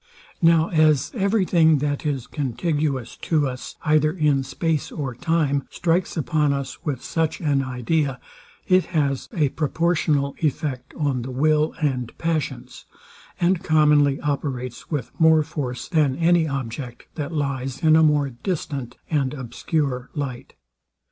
Now as every thing, that is contiguous to us, either in space or time, strikes upon us with such an idea, it has a proportional effect on the will and passions, and commonly operates with more force than any object, that lies in a more distant and obscure light.